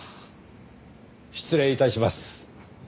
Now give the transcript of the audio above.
失礼致します。